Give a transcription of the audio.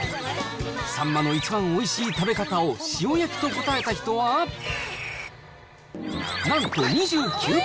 サンマの一番おいしい食べ方を、塩焼きと答えた人は、なんと２９％。